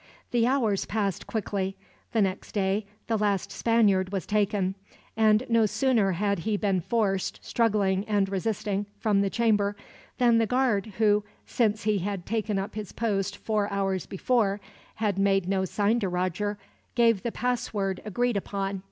The hours passed quickly. The next day the last Spaniard was taken; and no sooner had he been forced, struggling and resisting, from the chamber; than the guard who, since he had taken up his post four hours before, had made no sign to Roger, gave the password agreed upon.